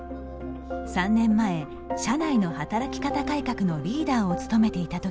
３年前、社内の働き方改革のリーダーを務めていたとき